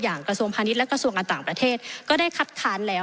กระทรวงพาณิชย์และกระทรวงการต่างประเทศก็ได้คัดค้านแล้ว